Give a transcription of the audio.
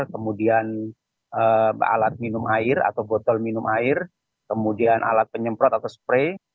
kemudian alat minum air atau botol minum air kemudian alat penyemprot atau spray